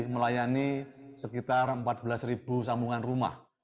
melayani sekitar empat belas sambungan rumah